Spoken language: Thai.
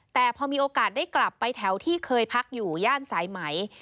แต่พอมีโอกาสได้กลับไปแถวที่เคยพักอยู่ย่านสายไหม